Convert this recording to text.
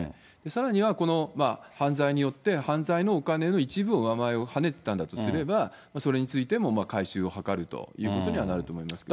さらには、この犯罪によって、犯罪のお金の一部のうわまえをはねてたんだとすれば、それについても回収を図るということにはなると思いますね。